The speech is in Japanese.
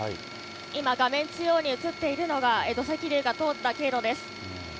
今、画面中央に写っているのが、土石流が通った経路です。